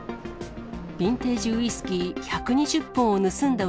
ビンテージウイスキー１２０本を盗んだ